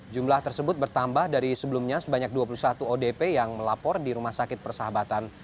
jumlah tersebut bertambah dari sebelumnya sebanyak dua puluh satu odp yang melapor di rumah sakit persahabatan